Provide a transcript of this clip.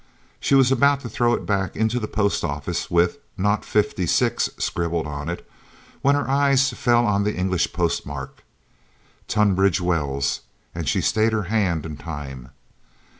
She was about to throw it back into the Post Office, with "not 56" scribbled on it, when her eyes fell on the English postmark, Tunbridge Wells, and she stayed her hand in time.